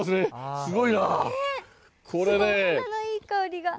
すごいいい香りが。